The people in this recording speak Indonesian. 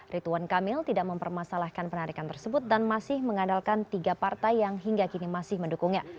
rituan kamil tidak mempermasalahkan penarikan tersebut dan masih mengandalkan tiga partai yang hingga kini masih mendukungnya